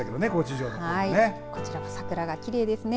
こちらも桜がきれいですね。